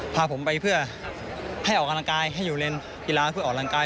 พาผมไปเพื่อให้ออกกำลังกายให้อยู่เล่นกีฬาเพื่อออกกำลังกาย